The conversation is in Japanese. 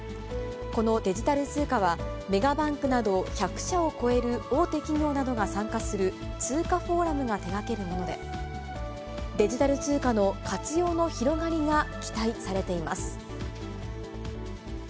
このデジタル通貨は、メガバンクなど１００社を超える大手企業などが参加する通貨フォーラムが手がけるもので、デジタル通貨の活用の広がりが期待されています。